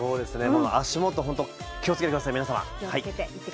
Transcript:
足元気をつけてください、皆様。